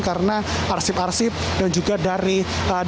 karena arsip arsip dan juga dari data data yang kita dapatkan kita masih bisa mengerti